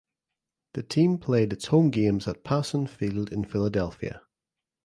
The team played its home games at Passon Field in Philadelphia.